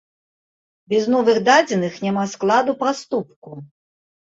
Без новых дадзеных няма складу праступку.